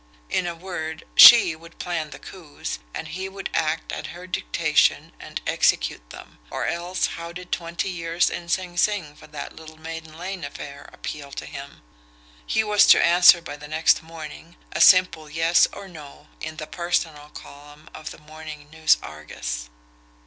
In a word, SHE would plan the coups, and he would act at her dictation and execute them or else how did twenty years in Sing Sing for that little Maiden Lane affair appeal to him? He was to answer by the next morning, a simple "yes" or "no" in the personal column of the morning NEWS ARGUS.